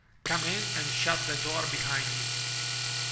Come in and shut the door behind you.''